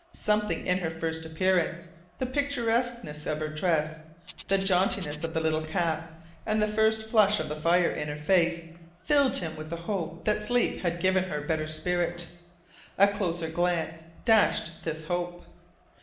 Something in her first appearance, the picturesqueness of her dress, the jauntiness of the little cap, and the first flush of the fire in her face filled him with the hope that sleep had given her better spirit. A closer glance dashed this hope.